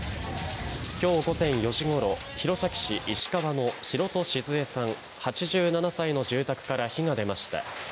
今日午前４時頃、弘前市石川の白戸しづエさん、８７歳の住宅から火が出ました。